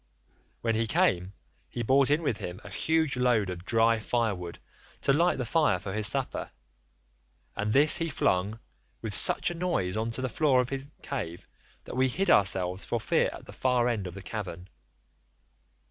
When he came, he brought in with him a huge load of dry firewood to light the fire for his supper, and this he flung with such a noise on to the floor of his cave that we hid ourselves for fear at the far end of the cavern.